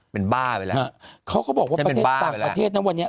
เป็นบ้าไปแล้วฮะเขาก็บอกว่าประเทศต่างประเทศนะวันนี้